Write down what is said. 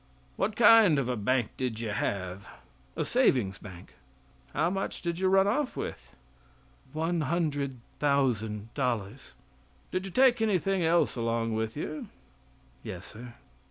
"What kind of a bank did you have?" "A savings bank." "How much did you run off with?" "One hundred thousand dollars." "Did you take anything else along with you?" "Yes Sir."